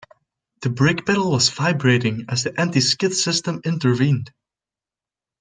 The brake pedal was vibrating as the anti-skid system intervened.